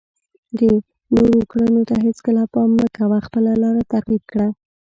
د نورو کړنو ته هیڅکله پام مه کوه، خپله لاره تعقیب کړه.